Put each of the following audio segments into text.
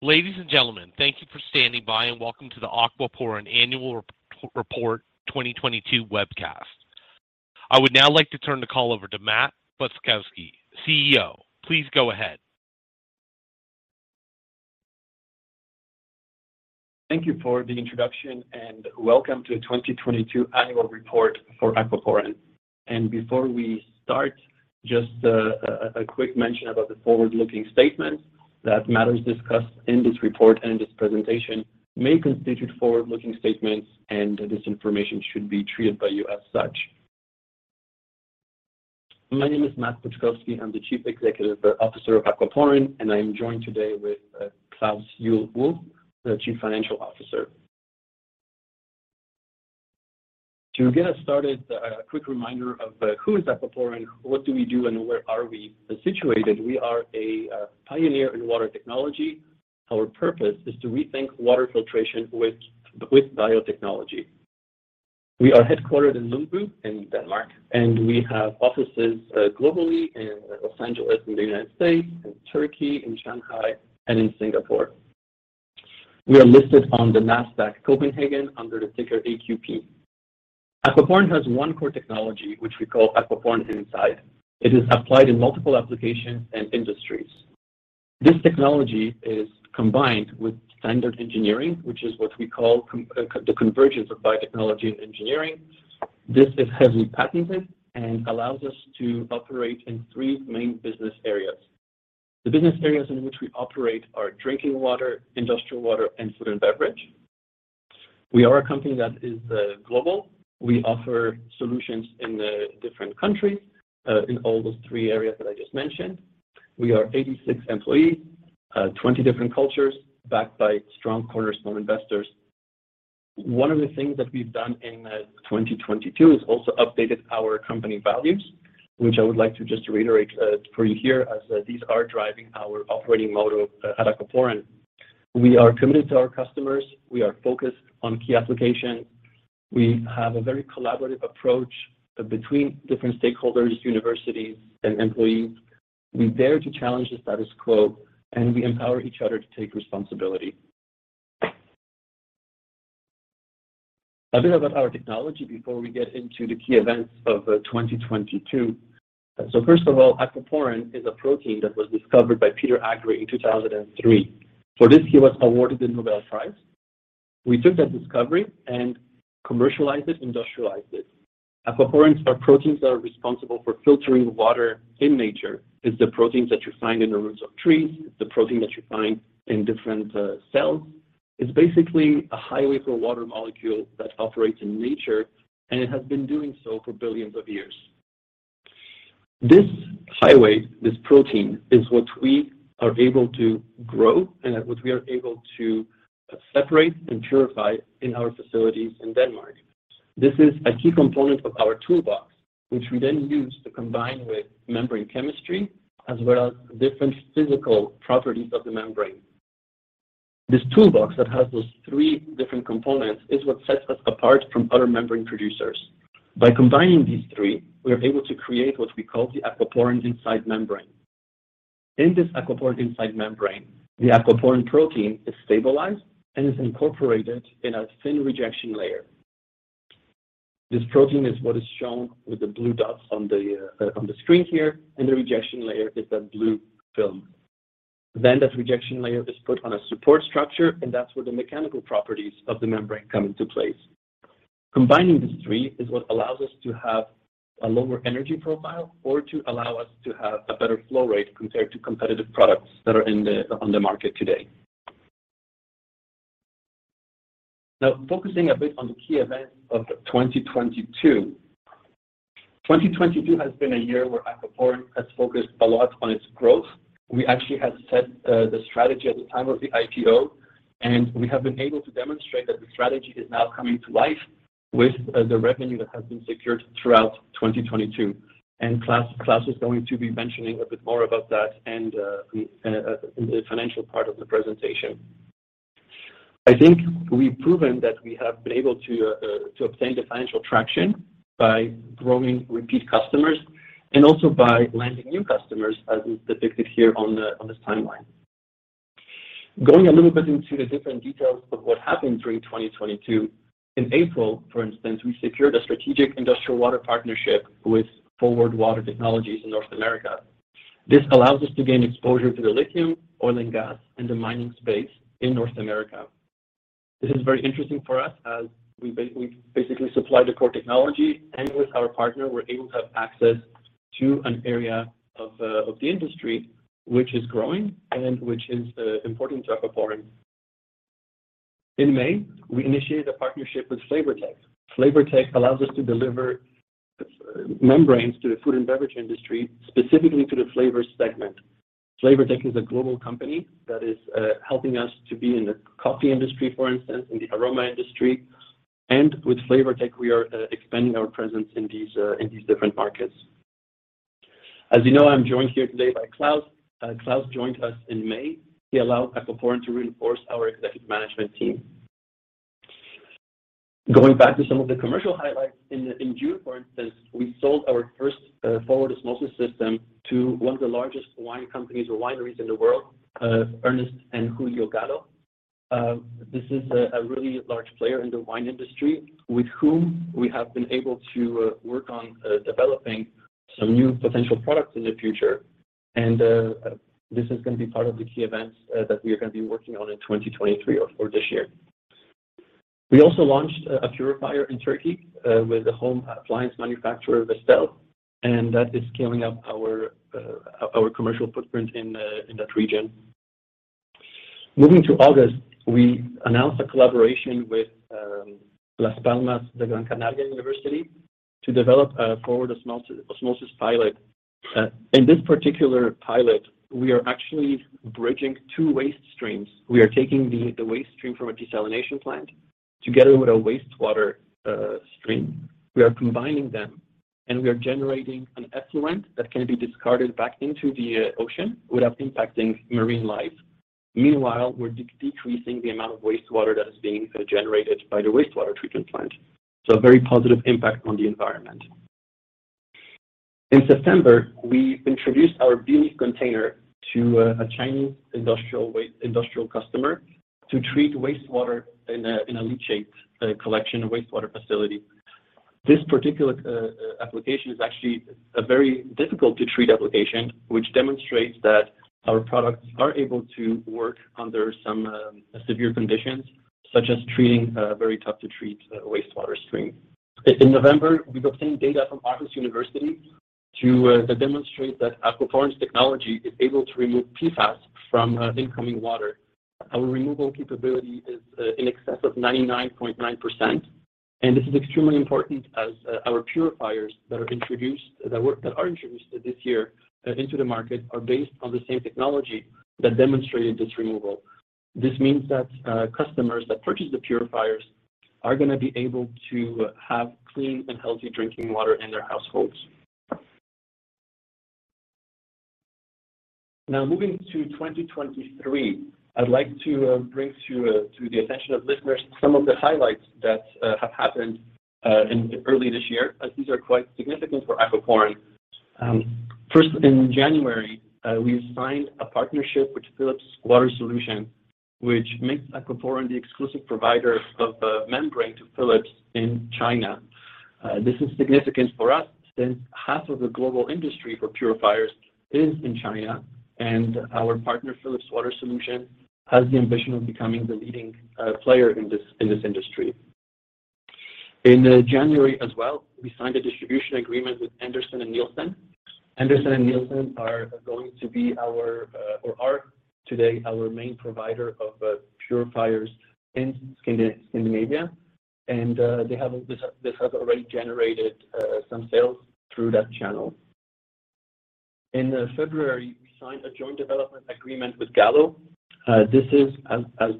Ladies and gentlemen, thank you for standing by and welcome to the Aquaporin Annual Report 2022 Webcast. I would now like to turn the call over to Matt Boczkowski, CEO. Please go ahead. Thank you for the introduction, and welcome to 2022 annual report for Aquaporin. Before we start, just a quick mention about the forward-looking statements that Matt discussed in this report and this presentation may constitute forward-looking statements, and this information should be treated by you as such. My name is Matt Boczkowski. I'm the Chief Executive Officer of Aquaporin, and I am joined today with Klaus Juhl Wulff, the Chief Financial Officer. To get us started, a quick reminder of who is Aquaporin, what do we do, and where are we situated. We are a pioneer in water technology. Our purpose is to rethink water filtration with biotechnology. We are headquartered in Kongens Lyngby in Denmark, and we have offices globally in Los Angeles in the United States, in Turkey, in Shanghai, and in Singapore. We are listed on the Nasdaq Copenhagen under the ticker AQP. Aquaporin has one core technology, which we call Aquaporin Inside. It is applied in multiple applications and industries. This technology is combined with standard engineering, which is what we call the convergence of biotechnology and engineering. This is heavily patented and allows us to operate in three main business areas. The business areas in which we operate are drinking water, industrial water, and food and beverage. We are a company that is global. We offer solutions in the different countries, in all those three areas that I just mentioned. We are 86 employees, 20 different cultures backed by strong cornerstone investors. One of the things that we've done in 2022 is also updated our company values, which I would like to just reiterate for you here as these are driving our operating model at Aquaporin. We are committed to our customers. We are focused on key applications. We have a very collaborative approach between different stakeholders, universities, and employees. We dare to challenge the status quo, and we empower each other to take responsibility. A bit about our technology before we get into the key events of 2022. First of all, aquaporin is a protein that was discovered by Peter Agre in 2003. For this, he was awarded the Nobel Prize. We took that discovery and commercialized it, industrialized it. aquaporins are proteins that are responsible for filtering water in nature. It's the proteins that you find in the roots of trees. It's the protein that you find in different cells. It's basically a highway for water molecule that operates in nature, and it has been doing so for billions of years. This highway, this protein, is what we are able to grow and what we are able to separate and purify in our facilities in Denmark. This is a key component of our toolbox, which we then use to combine with membrane chemistry as well as different physical properties of the membrane. This toolbox that has those three different components is what sets us apart from other membrane producers. By combining these three, we are able to create what we call the Aquaporin Inside membrane. In this Aquaporin Inside membrane, the aquaporin protein is stabilized and is incorporated in a thin rejection layer. This protein is what is shown with the blue dots on the on the screen here, and the rejection layer is that blue film. That rejection layer is put on a support structure, and that's where the mechanical properties of the membrane come into place. Combining these three is what allows us to have a lower energy profile or to allow us to have a better flow rate compared to competitive products that are on the market today. Focusing a bit on the key events of 2022. 2022 has been a year where Aquaporin has focused a lot on its growth. We actually had set the strategy at the time of the IPO, and we have been able to demonstrate that the strategy is now coming to life with the revenue that has been secured throughout 2022. Klaus is going to be mentioning a bit more about that in the financial part of the presentation. I think we've proven that we have been able to obtain the financial traction by growing repeat customers and also by landing new customers, as is depicted here on this timeline. Going a little bit into the different details of what happened during 2022, in April, for instance, we secured a strategic industrial water partnership with Forward Water Technologies in North America. This allows us to gain exposure to the lithium, oil and gas, and the mining space in North America. This is very interesting for us as we basically supply the core technology, and with our partner, we're able to have access to an area of the industry which is growing and which is important to Aquaporin. In May, we initiated a partnership with Flavourtech. Flavourtech allows us to deliver membranes to the food and beverage industry, specifically to the flavor segment. Flavourtech is a global company that is helping us to be in the coffee industry, for instance, in the aroma industry. With Flavourtech, we are expanding our presence in these different markets. As you know, I'm joined here today by Klaus. Klaus joined us in May. He allowed Aquaporin to reinforce our executive management team. Going back to some of the commercial highlights, in June, for instance, we sold our first forward osmosis system to one of the largest wine companies or wineries in the world, Ernest and Julio Gallo. This is a really large player in the wine industry with whom we have been able to work on developing some new potential products in the future. This is gonna be part of the key events that we are gonna be working on in 2023 or for this year. We also launched a purifier in Turkey with the home appliance manufacturer, Vestel, and that is scaling up our commercial footprint in that region. Moving to August, we announced a collaboration with University of Las Palmas de Gran Canaria to develop a forward osmosis pilot. In this particular pilot, we are actually bridging two waste streams. We are taking the waste stream from a desalination plant together with a wastewater stream. We are combining them, we are generating an effluent that can be discarded back into the ocean without impacting marine life. Meanwhile, we're decreasing the amount of wastewater that is being generated by the wastewater treatment plant, a very positive impact on the environment. In September, we introduced our unique container to a Chinese industrial customer to treat wastewater in a leachate collection and wastewater facility. This particular application is actually a very difficult-to-treat application, which demonstrates that our products are able to work under some severe conditions, such as treating a very tough-to-treat wastewater stream. In November, we obtained data from Aarhus University to demonstrate that Aquaporin's technology is able to remove PFAS from incoming water. Our removal capability is in excess of 99.9%, and this is extremely important as our purifiers that are introduced this year into the market are based on the same technology that demonstrated this removal. This means that customers that purchase the purifiers are gonna be able to have clean and healthy drinking water in their households. Moving to 2023, I'd like to bring to the attention of listeners some of the highlights that have happened in early this year, as these are quite significant for Aquaporin. First, in January, we signed a partnership with Philips Water Solutions, which makes Aquaporin the exclusive provider of the membrane to Philips in China. This is significant for us since half of the global industry for purifiers is in China, and our partner, Philips Water Solutions, has the ambition of becoming the leading player in this, in this industry. In January as well, we signed a distribution agreement with Andersen & Nielsen. Andersen & Nielsen are going to be our, or are today our main provider of purifiers in Scandinavia, and they have this has already generated some sales through that channel. In February, we signed a joint development agreement with Gallo. This is as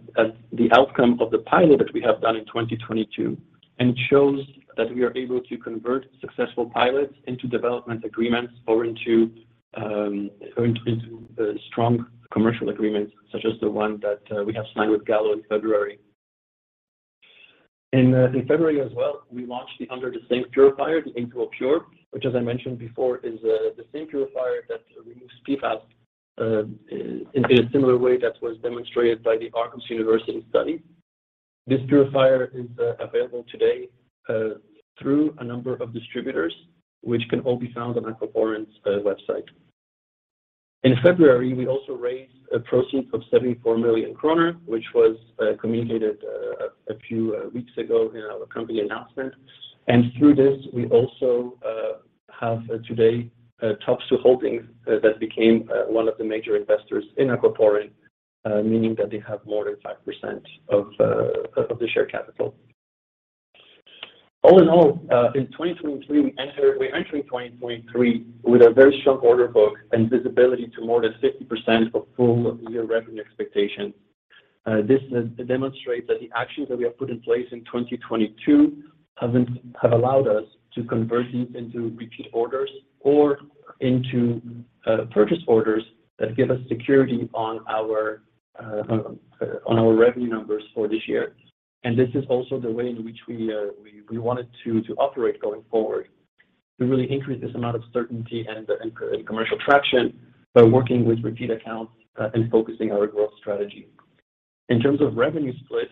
the outcome of the pilot that we have done in 2022 and shows that we are able to convert successful pilots into development agreements or into strong commercial agreements, such as the one that we have signed with Gallo in February. In February as well, we launched the under-the-sink purifier, the A2O Pure, which as I mentioned before is the sink purifier that removes PFAS in a similar way that was demonstrated by the Aarhus University study. This purifier is available today through a number of distributors, which can all be found on Aquaporin's website. In February, we also raised a proceeds of 74 million kroner, which was communicated a few weeks ago in our company announcement. Through this, we also have today Topsøe Holdings that became one of the major investors in Aquaporin, meaning that they have more than 5% of the share capital. All in all, in 2023, we're entering 2023 with a very strong order book and visibility to more than 50% of full year revenue expectation. This is demonstrate that the actions that we have put in place in 2022 have allowed us to convert these into repeat orders or into purchase orders that give us security on our revenue numbers for this year. This is also the way in which we wanted to operate going forward, to really increase this amount of certainty and commercial traction by working with repeat accounts and focusing our growth strategy. In terms of revenue split,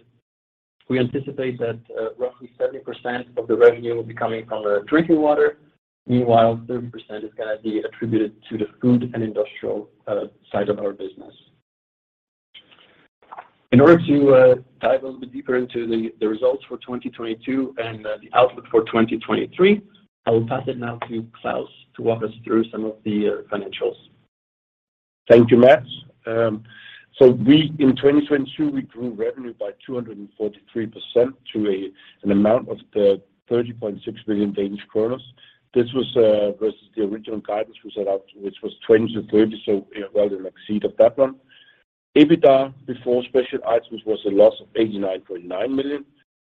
we anticipate that roughly 70% of the revenue will be coming from the drinking water. Meanwhile, 30% is gonna be attributed to the food and industrial side of our business. In order to dive a little bit deeper into the results for 2022 and the outlook for 2023, I will pass it now to Klaus to walk us through some of the financials. Thank you, Matt. In 2022, we grew revenue by 243% to an amount of 30.6 million. This was versus the original guidance we set out, which was 20-30 million, well in exceed of that one. EBITDA before special items was a loss of 89.9 million.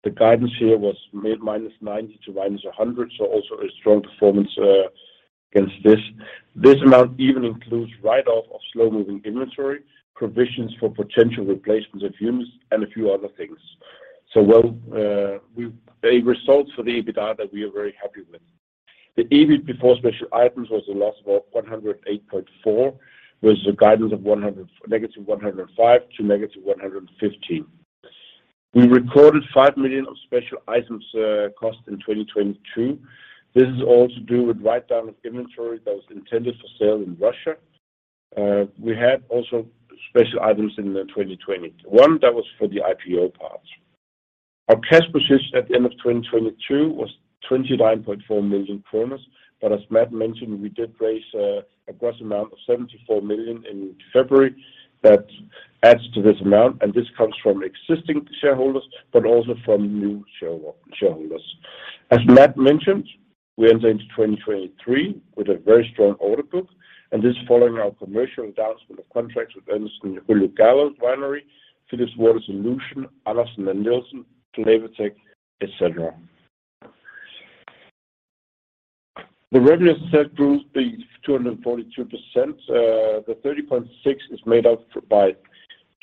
The guidance here was mid -90 to -100 million, also a strong performance, Against this. This amount even includes write-off of slow moving inventory, provisions for potential replacements of humans and a few other things. Well, a result for the EBITDA that we are very happy with. The EBIT before special items was a loss of 108.4 million, with the guidance of -105 to -115 million. We recorded 5 million of special items cost in 2022. This is all to do with write down of inventory that was intended for sale in Russia. We had also special items in 2021 that was for the IPO parts. Our cash position at the end of 2022 was 29.4 million kroner. As Matt mentioned, we did raise a gross amount of 74 million in February. That adds to this amount, and this comes from existing shareholders, but also from new shareholders. As Matt mentioned, we entered into 2023 with a very strong order book, and this is following our commercial announcement of contracts with Anderson Ulugalan Winery, Philips Water Solutions, Andersen & Nielsen, Flavourtech, et cetera. The revenue set grew 242%. The 30.6 is made up by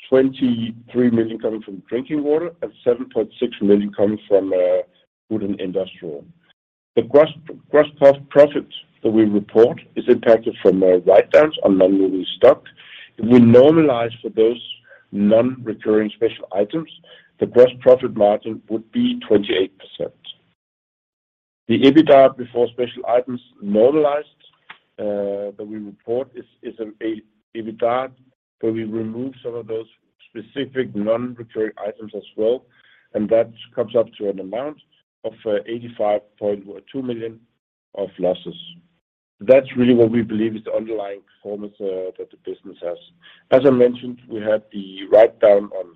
23 million coming from drinking water and 7.6 million coming from food and industrial. The gross profit that we report is impacted from write downs on non-moving stock. If we normalize for those non-recurring special items, the gross profit margin would be 28%. The EBITDA before special items normalized that we report is an EBITDA, where we remove some of those specific non-recurring items as well, and that comes up to an amount of 85.2 million of losses. That's really what we believe is the underlying performance that the business has. As I mentioned, we had the write down on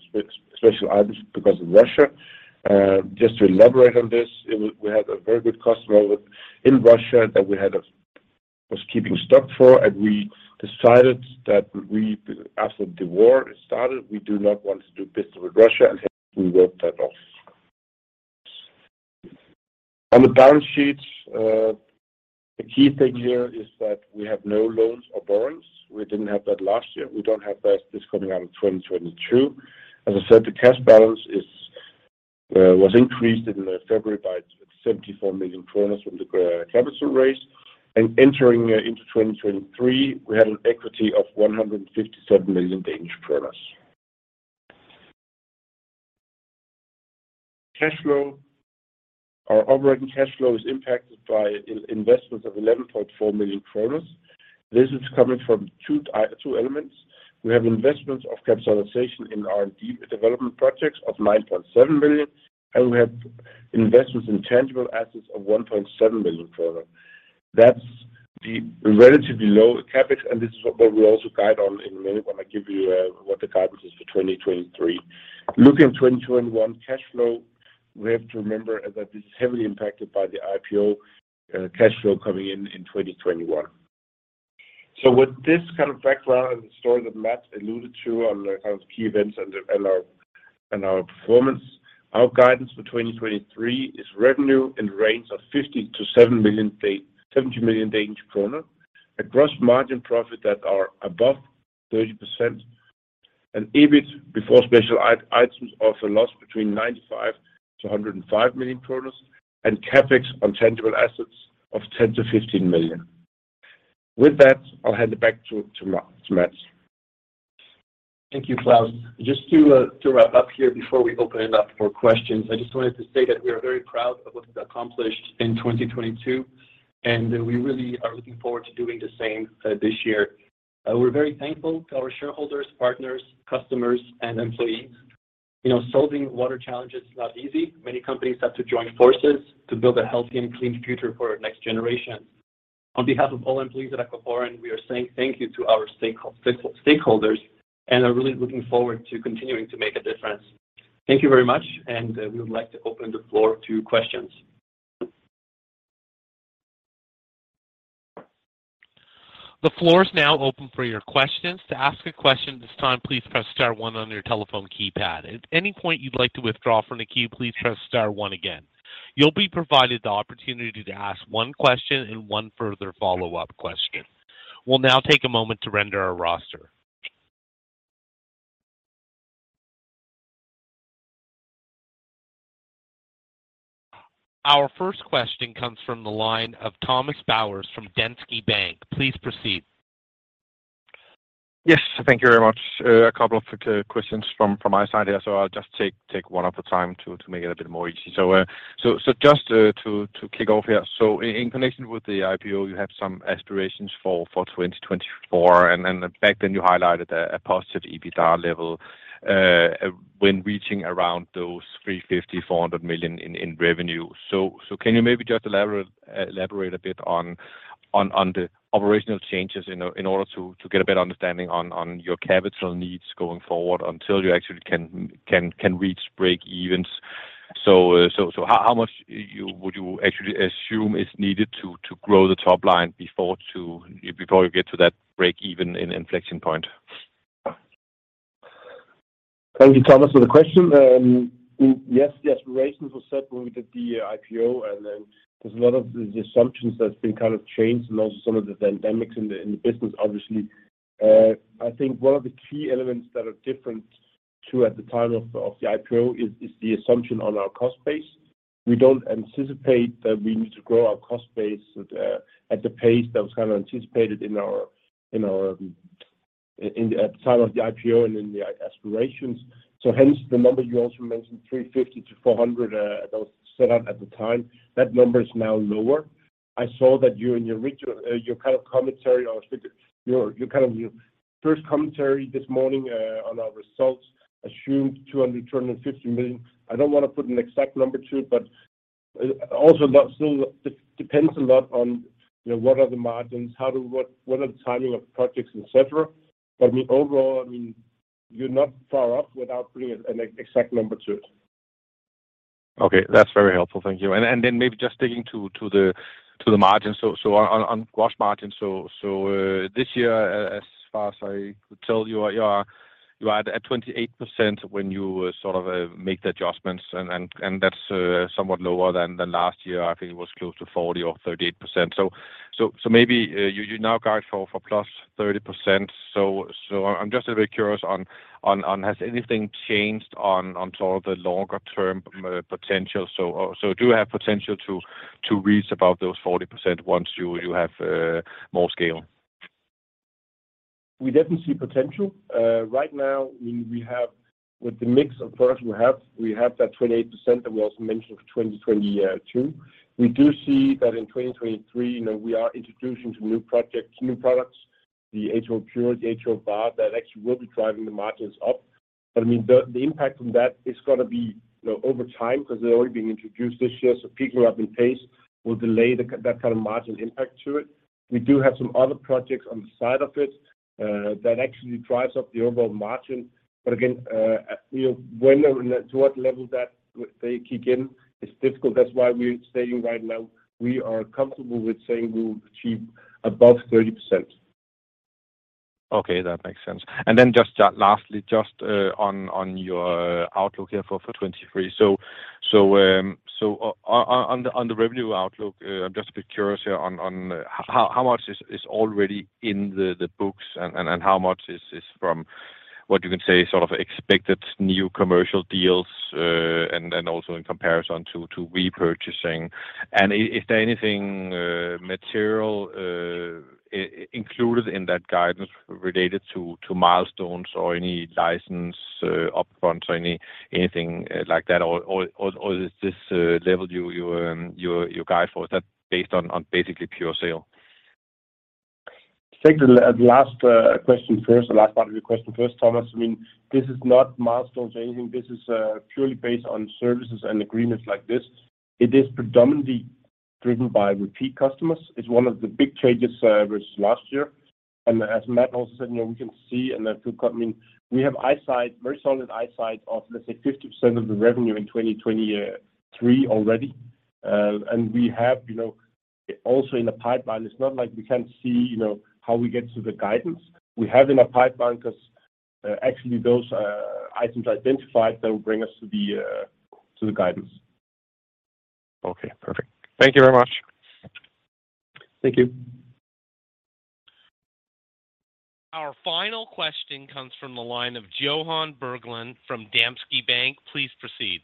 special items because of Russia. Just to elaborate on this, we had a very good customer in Russia that we was keeping stock for, we decided that we, after the war started, we do not want to do business with Russia, hence we wrote that off. On the balance sheet, the key thing here is that we have no loans or bonds. We didn't have that last year. We don't have that this coming out of 2022. As I said, the cash balance is, was increased in February by 74 million kroner from the capital raise. Entering into 2023, we had an equity of 157 million Danish kroner. Cash flow. Our operating cash flow is impacted by investments of 11.4 million. This is coming from two elements. We have investments of capitalization in R&D development projects of 9.7 billion. We have investments in tangible assets of 1.7 billion. That's the relatively low CapEx. This is what we also guide on in a minute when I give you what the guidance is for 2023. Looking at 2021 cash flow, we have to remember that this is heavily impacted by the IPO cash flow coming in in 2021. With this kind of background and the story that Matt alluded to on the kind of key events and our performance, our guidance for 2023 is revenue in range of 50-70 million Danish kroner. A gross margin profit that are above 30%. An EBIT before special it-items of a loss between 95 million-105 million, and CapEx on tangible assets of 10-15 million. With that, I'll hand it back to Matt. Thank you, Klaus. Just to wrap up here before we open it up for questions, I just wanted to say that we are very proud of what we've accomplished in 2022, and we really are looking forward to doing the same this year. We're very thankful to our shareholders, partners, customers, and employees. You know, solving water challenges is not easy. Many companies have to join forces to build a healthy and clean future for our next generation. On behalf of all employees at Aquaporin, we are saying thank you to our stakeholders, and are really looking forward to continuing to make a difference. Thank you very much, and we would like to open the floor to questions. The floor is now open for your questions. To ask a question at this time, please press star one on your telephone keypad. At any point you'd like to withdraw from the queue, please press star one again. You'll be provided the opportunity to ask one question and one further follow-up question. We'll now take a moment to render our roster. Our first question comes from the line of Thomas Bowers from Danske Bank. Please proceed. Yes, thank you very much. A couple of questions from my side here, so I'll just take one at a time to make it a bit more easy. Just to kick off here. In connection with the IPO, you have some aspirations for 2024, and back then you highlighted a positive EBITDA level when reaching around those 350-400 million in revenue. Can you maybe just elaborate a bit on the operational changes in order to get a better understanding on your capital needs going forward until you actually can reach break evens? How much you would you actually assume is needed to grow the top line before before you get to that break even in inflection point? Thank you, Thomas, for the question. Yes, the aspirations were set when we did the IPO, and then there's a lot of the assumptions that's been kind of changed and also some of the dynamics in the, in the business, obviously. I think one of the key elements that are different to at the time of the IPO is the assumption on our cost base. We don't anticipate that we need to grow our cost base at the pace that was kind of anticipated in our, at the time of the IPO and in the aspirations. Hence, the number you also mentioned, 350-400 million, that was set up at the time. That number is now lower. I saw that you in your kind of commentary or your first commentary this morning on our results assumed 200-250 million. I don't wanna put an exact number to it, but also that still depends a lot on, you know, what are the margins, how do what are the timing of projects, et cetera. Overall, I mean, you're not far off without putting an exact number to it. Okay. That's very helpful. Thank you. Then maybe just sticking to the, to the margins. On gross margin, this year, as far as I could tell, you are at 28% when you sort of make the adjustments and that's somewhat lower than the last year. I think it was close to 40% or 38%. Maybe you now guide for +30%. I'm just a bit curious on has anything changed on sort of the longer term potential? Do you have potential to reach about those 40% once you have more scale? We definitely see potential. Right now, we have with the mix of products we have, we have that 28% that was mentioned for 2022. We do see that in 2023, you know, we are introducing some new projects, new products, the A2O Pure, the A2O Bar, that actually will be driving the margins up. I mean, the impact from that is gonna be, you know, over time because they're already being introduced this year. Peaking up in pace will delay that kind of margin impact to it. We do have some other projects on the side of it, that actually drives up the overall margin. Again, you know, when or to what level that they kick in is difficult. That's why we're saying right now, we are comfortable with saying we will achieve above 30%. Okay. That makes sense. Just lastly, just on your outlook here for 2023. On the revenue outlook, I'm just a bit curious here on how much is already in the books and how much is from what you can say, sort of expected new commercial deals, and also in comparison to repurchasing. Is there anything material included in that guidance related to milestones or any license up fronts or anything like that, or is this level you guide for that based on basically pure sale? Take the last question first, the last part of your question first, Thomas. I mean, this is not milestones or anything. This is purely based on services and agreements like this. It is predominantly driven by repeat customers. It's one of the big changes versus last year. As Matt also said, you know, we can see I mean, we have eyesight, very solid eyesight of, let's say, 50% of the revenue in 2023 already. We have, you know, also in the pipeline, it's not like we can't see, you know, how we get to the guidance. We have in a pipeline 'cause, actually those items identified that will bring us to the guidance. Okay. Perfect. Thank you very much. Thank you. Our final question comes from the line of Johan Bergland from Danske Bank. Please proceed.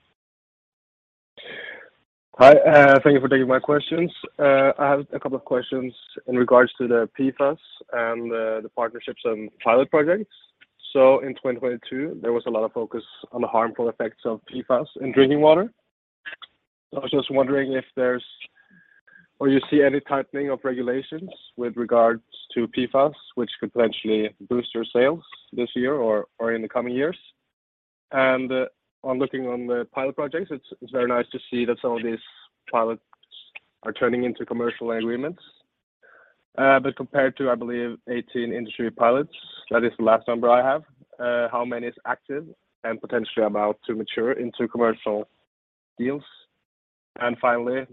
Hi. Thank you for taking my questions. I have a couple of questions in regards to the PFAS and the partnerships and pilot projects. In 2022, there was a lot of focus on the harmful effects of PFAS in drinking water. I was just wondering if there's or you see any tightening of regulations with regards to PFAS, which could potentially boost your sales this year or in the coming years? On looking on the pilot projects, it's very nice to see that all these pilots are turning into commercial agreements. Compared to, I believe, 18 industry pilots, that is the last number I have, how many is active and potentially about to mature into commercial deals? Finally,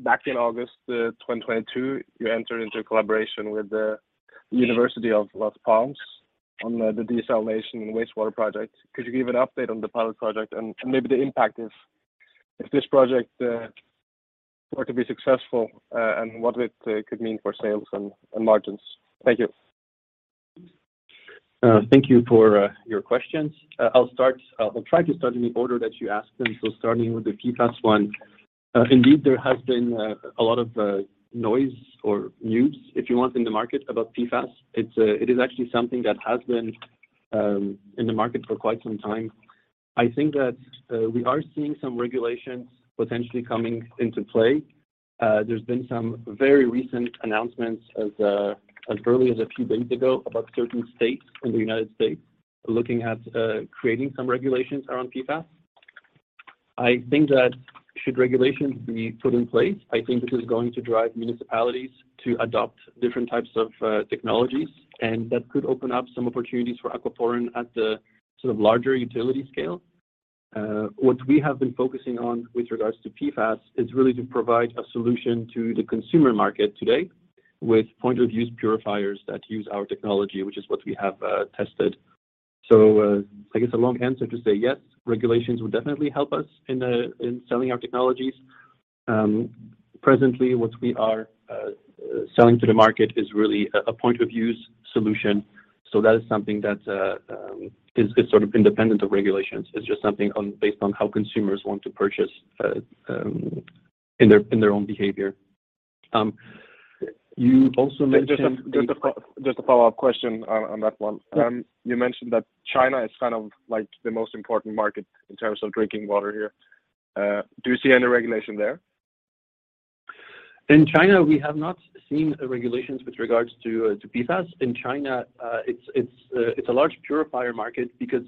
back in August, 2022, you entered into a collaboration with the University of Las Palmas on the desalination and wastewater project. Could you give an update on the pilot project and maybe the impact if this project were to be successful, and what it could mean for sales and margins? Thank you. Thank you for your questions. I'll start. I'll try to start in the order that you asked them. Starting with the PFAS one. Indeed, there has been a lot of noise or news, if you want, in the market about PFAS. It's actually something that has been in the market for quite some time. I think that we are seeing some regulations potentially coming into play. There's been some very recent announcements as early as a few days ago about certain states in the United States looking at creating some regulations around PFAS. I think that should regulations be put in place, I think this is going to drive municipalities to adopt different types of technologies, and that could open up some opportunities for Aquaporin at the sort of larger utility scale. What we have been focusing on with regards to PFAS is really to provide a solution to the consumer market today with point of use purifiers that use our technology, which is what we have tested. I guess a long answer to say yes, regulations would definitely help us in selling our technologies. Presently, what we are selling to the market is really a point of use solution. That is something that is sort of independent of regulations, is just something based on how consumers want to purchase in their own behavior. You also mentioned. Just a follow-up question on that one. Sure. You mentioned that China is kind of like the most important market in terms of drinking water here. Do you see any regulation there? In China, we have not seen regulations with regards to PFAS. It's a large purifier market because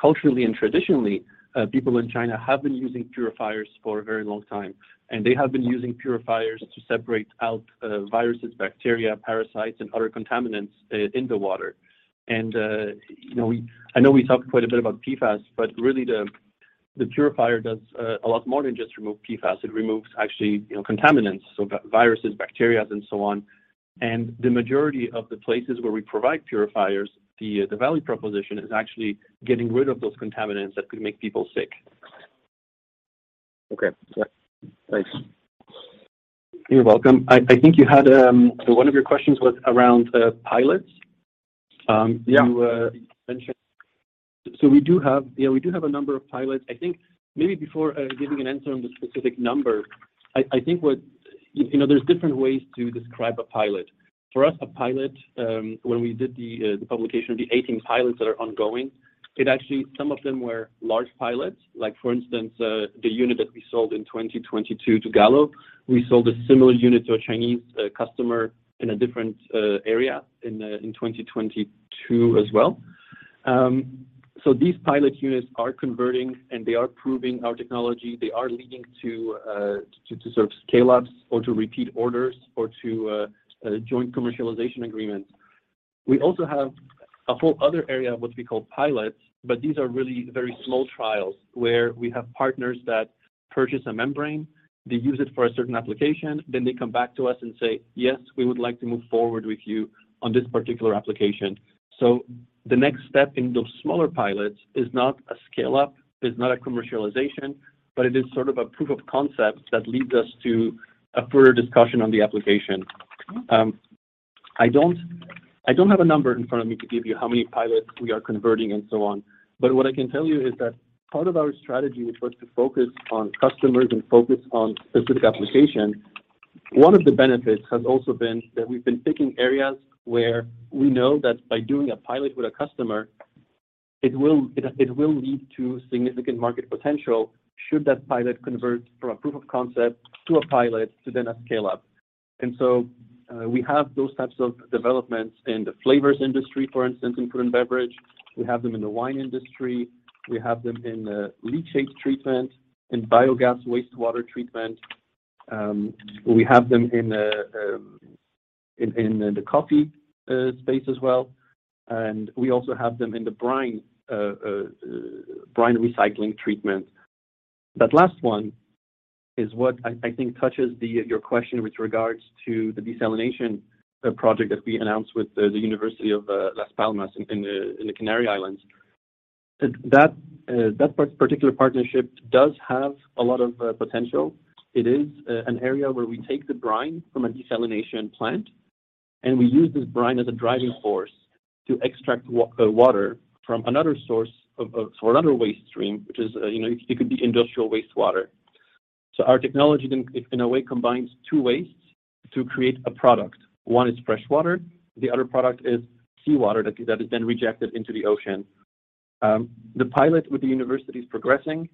culturally and traditionally people in China have been using purifiers for a very long time, and they have been using purifiers to separate out viruses, bacteria, parasites, and other contaminants in the water. You know, I know we talked quite a bit about PFAS, but really the purifier does a lot more than just remove PFAS. It removes actually, you know, contaminants, so viruses, bacteria, and so on. The majority of the places where we provide purifiers, the value proposition is actually getting rid of those contaminants that could make people sick. Okay. Yeah. Thanks. You're welcome. I think you had. One of your questions was around pilots. Yeah. you mentioned. We do have, yeah, we do have a number of pilots. I think maybe before giving an answer on the specific number, I think what. You know, there's different ways to describe a pilot. For us, a pilot, when we did the publication of the 18 pilots that are ongoing, it actually, some of them were large pilots. Like, for instance, the unit that we sold in 2022 to Gallo, we sold a similar unit to a Chinese customer in a different area in 2022 as well. These pilot units are converting, and they are proving our technology. They are leading to sort of scale-ups or to repeat orders or to joint commercialization agreements. We also have a whole other area of what we call pilots, but these are really very small trials where we have partners that purchase a membrane, they use it for a certain application, then they come back to us and say, "Yes, we would like to move forward with you on this particular application." The next step in those smaller pilots is not a scale-up, is not a commercialization, but it is sort of a proof of concept that leads us to a further discussion on the application. I don't, I don't have a number in front of me to give you how many pilots we are converting and so on, but what I can tell you is that part of our strategy was to focus on customers and focus on specific applications. One of the benefits has also been that we've been picking areas where we know that by doing a pilot with a customer, it will lead to significant market potential should that pilot convert from a proof of concept to a pilot to then a scale-up. We have those types of developments in the flavors industry, for instance, in food and beverage. We have them in the wine industry. We have them in the leachate treatment, in biogas wastewater treatment. We have them in the coffee space as well, and we also have them in the brine recycling treatment. That last one is what I think touches your question with regards to the desalination project that we announced with the University of Las Palmas in the Canary Islands. That particular partnership does have a lot of potential. It is an area where we take the brine from a desalination plant, we use this brine as a driving force to extract water from another source of or another waste stream, which is, you know, it could be industrial wastewater. Our technology then, in a way, combines two wastes to create a product. One is fresh water, the other product is seawater that is then rejected into the ocean. The pilot with the university is progressing.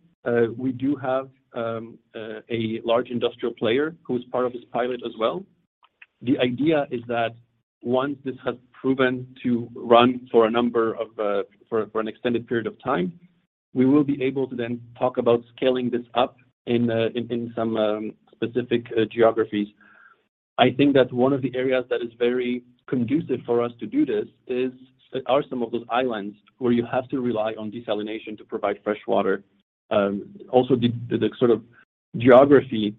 We do have a large industrial player who is part of this pilot as well. The idea is that once this has proven to run for a number of, for an extended period of time, we will be able to then talk about scaling this up in some specific geographies. I think that one of the areas that is very conducive for us to do this are some of those islands where you have to rely on desalination to provide fresh water. The sort of geography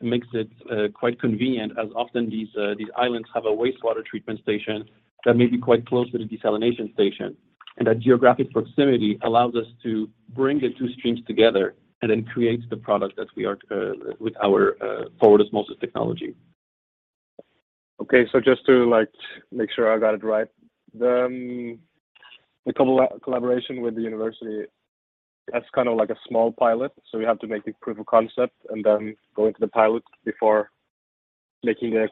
makes it quite convenient as often these islands have a wastewater treatment station that may be quite close to the desalination station, and that geographic proximity allows us to bring the two streams together and then create the product that we are with our forward osmosis technology. Just to, like, make sure I got it right, the collaboration with the university, that's kind of like a small pilot. We have to make the proof of concept and then go into the pilot before making a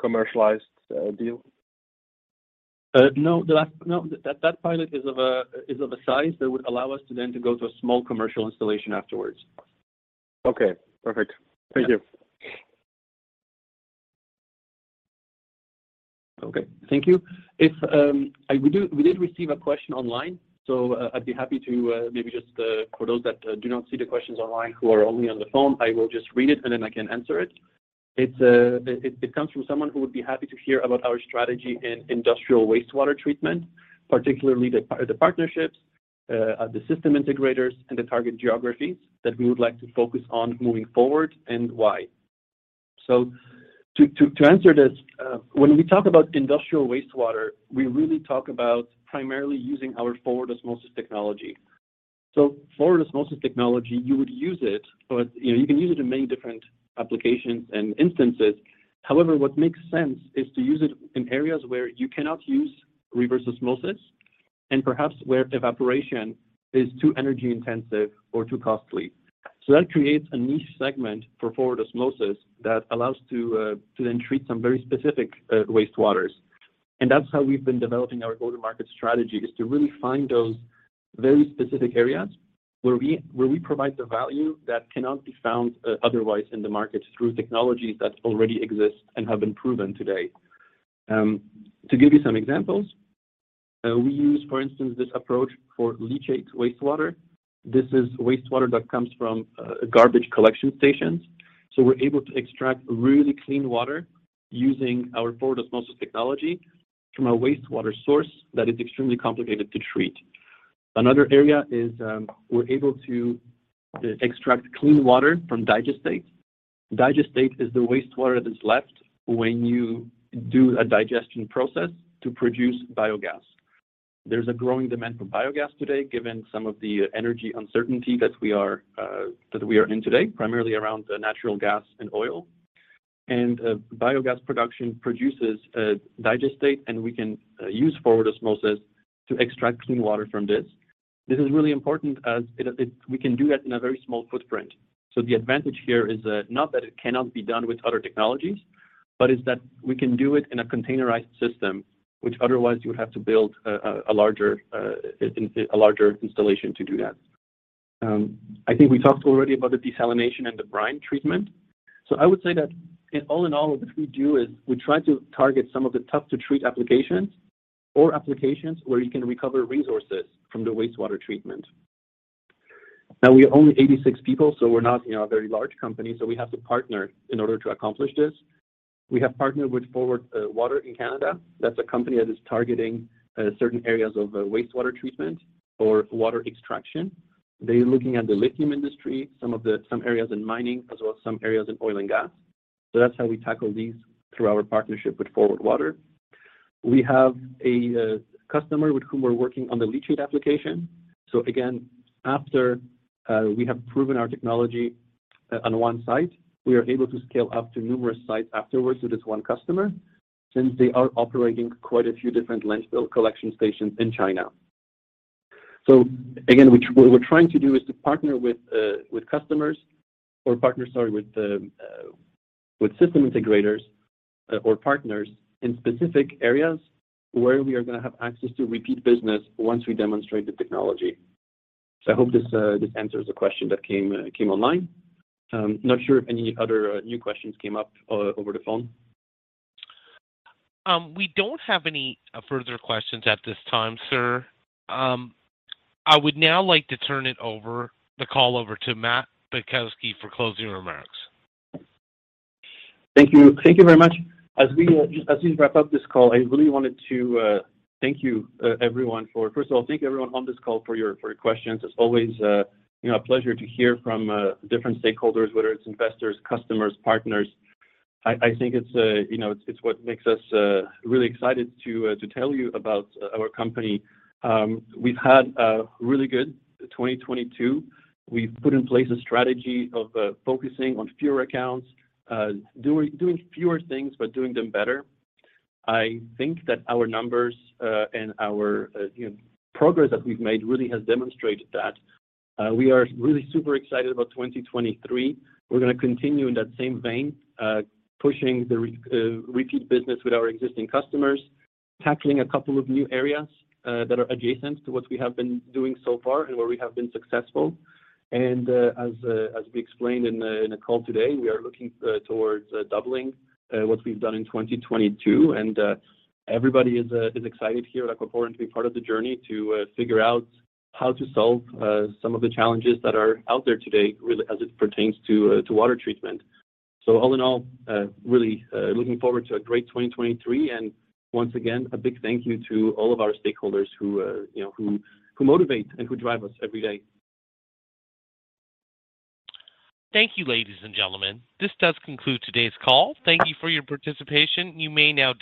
commercialized deal? No. No. That pilot is of a size that would allow us to then go to a small commercial installation afterwards. Okay. Perfect. Thank you. Okay. Thank you. If we did receive a question online, I'd be happy to maybe just for those that do not see the questions online who are only on the phone, I will just read it, and then I can answer it. It comes from someone who would be happy to hear about our strategy in industrial wastewater treatment, particularly the partnerships, the system integrators, and the target geographies that we would like to focus on moving forward and why. To answer this, when we talk about industrial wastewater, we really talk about primarily using our forward osmosis technology. Forward osmosis technology, you would use it for, you know, you can use it in many different applications and instances. However, what makes sense is to use it in areas where you cannot use reverse osmosis and perhaps where evaporation is too energy-intensive or too costly. That creates a niche segment for forward osmosis that allows to then treat some very specific wastewaters. That's how we've been developing our go-to-market strategy is to really find those very specific areas where we provide the value that cannot be found otherwise in the market through technologies that already exist and have been proven today. To give you some examples, we use, for instance, this approach for leachate wastewater. This is wastewater that comes from garbage collection stations. We're able to extract really clean water using our forward osmosis technology from a wastewater source that is extremely complicated to treat. Another area is, we're able to extract clean water from digestate. Digestate is the wastewater that's left when you do a digestion process to produce biogas. There's a growing demand for biogas today, given some of the energy uncertainty that we are in today, primarily around natural gas and oil. Biogas production produces digestate, and we can use forward osmosis to extract clean water from this. This is really important as we can do that in a very small footprint. The advantage here is not that it cannot be done with other technologies, but it's that we can do it in a containerized system, which otherwise you would have to build a larger installation to do that. I think we talked already about the desalination and the brine treatment. I would say that in all in all, what we do is we try to target some of the tough-to-treat applications or applications where you can recover resources from the wastewater treatment. We are only 86 people, so we're not, you know, a very large company, so we have to partner in order to accomplish this. We have partnered with Forward Water in Canada. That's a company that is targeting certain areas of wastewater treatment or water extraction. They're looking at the lithium industry, some areas in mining, as well as some areas in oil and gas. That's how we tackle these through our partnership with Forward Water. We have a customer with whom we're working on the leachate application. Again, after we have proven our technology on 1 site, we are able to scale up to numerous sites afterwards with this one customer since they are operating quite a few different landfill collection stations in China. Again, what we're trying to do is to partner with customers or partner, sorry, with the system integrators or partners in specific areas where we are gonna have access to repeat business once we demonstrate the technology. I hope this answers the question that came online. Not sure if any other new questions came up over the phone. We don't have any further questions at this time, sir. I would now like to turn it over, the call over to Matt Boczkowski for closing remarks. Thank you. Thank you very much. As we wrap up this call, I really wanted to thank you everyone on this call for your questions. It's always, you know, a pleasure to hear from different stakeholders, whether it's investors, customers, partners. I think it's, you know, it's what makes us really excited to tell you about our company. We've had a really good 2022. We've put in place a strategy of focusing on fewer accounts, doing fewer things but doing them better. I think that our numbers and our, you know, progress that we've made really has demonstrated that. We are really super excited about 2023. We're gonna continue in that same vein, pushing the repeat business with our existing customers, tackling a couple of new areas that are adjacent to what we have been doing so far and where we have been successful. As we explained in the call today, we are looking towards doubling what we've done in 2022. Everybody is excited here at Aquaporin to be part of the journey to figure out how to solve some of the challenges that are out there today really as it pertains to water treatment. All in all, really looking forward to a great 2023. Once again, a big thank you to all of our stakeholders who, you know, who motivate and who drive us every day. Thank you, ladies and gentlemen. This does conclude today's call. Thank you for your participation. You may now disconnect.